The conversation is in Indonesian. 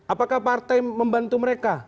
apakah partai membantu mereka